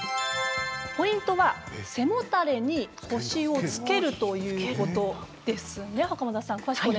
ポイントは、背もたれに腰をつけるということですね。